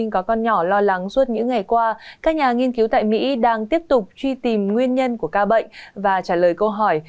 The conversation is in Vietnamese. các nhà nghiên cứu tại mỹ đang tiếp tục truy tìm nguyên nhân của ca bệnh và trả lời câu hỏi